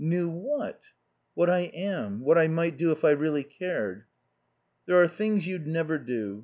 "Knew what?" "What I am. What I might do if I really cared." "There are things you'd never do.